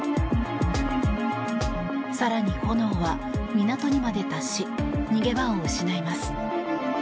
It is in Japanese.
更に炎は港にまで達し逃げ場を失います。